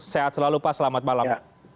sehat selalu pak selamat malam